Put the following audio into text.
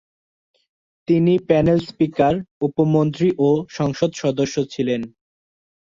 তিনি panel speaker, উপমন্ত্রী ও সংসদ সদস্য ছিলেন।